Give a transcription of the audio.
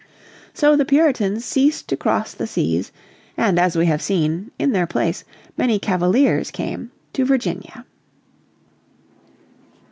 So the Puritans ceased to cross the seas, and as we have seen, in their place many Cavaliers came to Virginia.